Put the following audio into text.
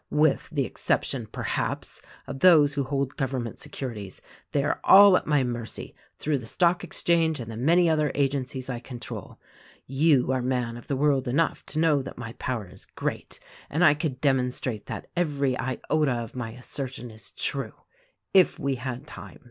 With the exception, perhaps, of those who hold govern ment securities, they are all at my mercy, through the stock exchange and the many other agencies I control. "You are man of the world enough to know that my power is great, and I could demonstrate that every iota THE RECORDING ANGEL in of my assertion is true — if we had time.